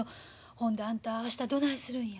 ほんであんた明日どないするんや。